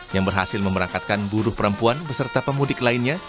yang berhasil memerangkatkan buruh perempuan beserta pemudik lainnya